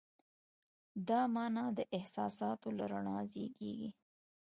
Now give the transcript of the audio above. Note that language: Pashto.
دا مانا د احساساتو له رڼا زېږېږي.